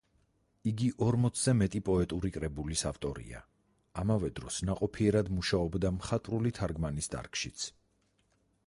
იგი ორმოცზე მეტი პოეტური კრებულის ავტორია, ამავე დროს ნაყოფიერად მუშაობდა მხატვრული თარგმანის დარგშიც.